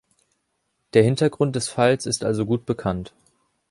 Der Hintergrund des Falls ist also gut bekannt.